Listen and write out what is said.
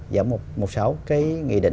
giảm một sáu cái nghị định